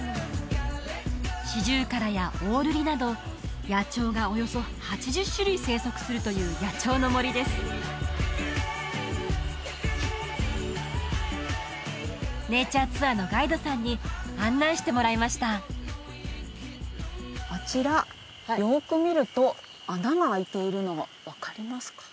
シジュウカラやオオルリなど野鳥がおよそ８０種類生息するという野鳥の森ですネイチャーツアーのガイドさんに案内してもらいましたあちらよく見ると穴が開いているの分かりますか？